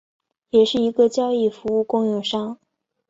也是一个交易服务供应商。